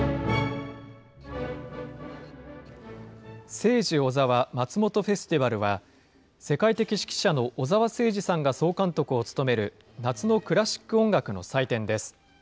セイジ・オザワ松本フェスティバルは、世界的指揮者の小澤征爾さんが総監督を務める、夏のクラシック音楽の祭典です。